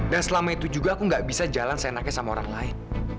dan selama itu juga aku gak bisa jalan seenaknya sama orang lain